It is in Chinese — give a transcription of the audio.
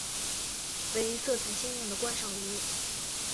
为色彩鲜艳的观赏鱼。